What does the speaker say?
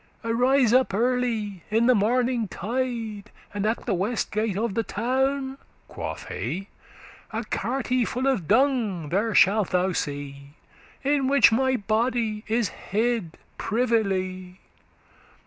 Arise up early, in the morning, tide, And at the west gate of the town,' quoth he, 'A carte full of dung there shalt: thou see, In which my body is hid privily.